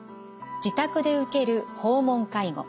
自宅で受ける訪問介護。